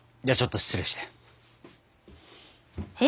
ではちょっと失礼して。